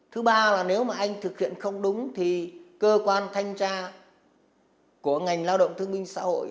thứ ba là nếu mà anh thực hiện không đúng thì cơ quan thanh tra của ngành lao động thương minh xã hội